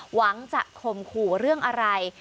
หวังจะข่มขู่เรื่องอะไร